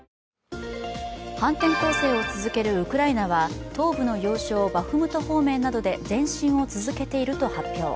反転攻勢を続けるウクライナは東部の要衝バフムト方面などで前進を続けていると発表。